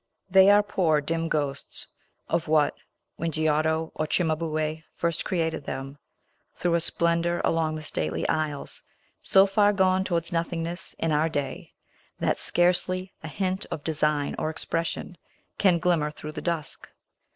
They are poor, dim ghosts of what, when Giotto or Cimabue first created them, threw a splendor along the stately aisles; so far gone towards nothingness, in our day, that scarcely a hint of design or expression can glimmer through the dusk.